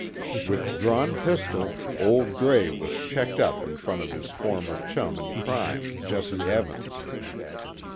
With drawn pistol, "Old Gray" was checked up in front of his former chum in crime, Jesse Evans.